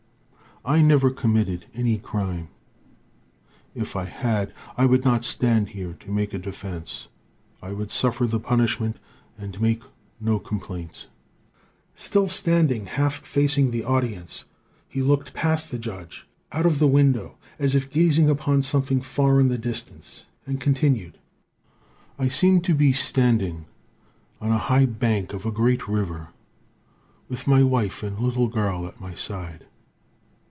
I never committed any crime. If I had, I would not stand here to make a defense. I would suffer the punishment and make no complaint.' "Still standing half facing the audience, he looked past the judge, out of the window, as if gazing upon something far in the distance, and continued: "'I seem to be standing on a high bank of a great river, with my wife and little girl at my side.